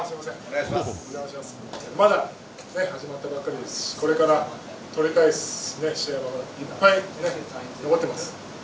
まだ始まったばかりですし、これから取り返す試合はいっぱい残っています。